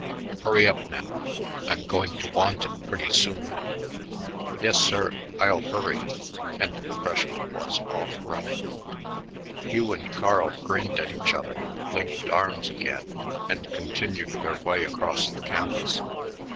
Hurry up now; I'm going to want it pretty soon." "Yes, sir. I'll hurry." And the freshman was off running. Hugh and Carl grinned at each other, linked arms again, and continued their way across the campus.